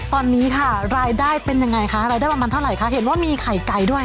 ตอนนี้ค่ะรายได้เป็นยังไงคะรายได้ประมาณเท่าไหร่คะเห็นว่ามีไข่ไก่ด้วย